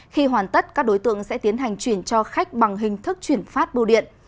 khi hoàn tất các đối tượng sẽ tiến hành chuyển cho khách bằng hình thức chuyển phát bưu điện